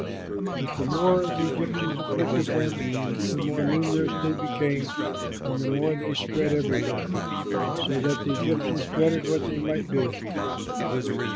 But the more the Egyptians afflicted them, the more numerous they became and the more they spread everywhere, so that the Egyptians dreaded what they might do.